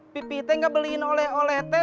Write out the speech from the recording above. pipi teh nggak beliin oleh oleh teh